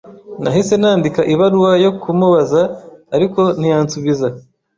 Nahise nandika ibaruwa yo kumubaza, ariko ntiyansubiza.